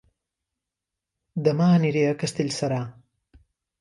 Dema aniré a Castellserà